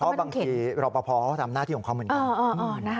เพราะบางทีรอปภเขาทำหน้าที่ของเขาเหมือนกัน